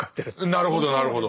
なるほどなるほど。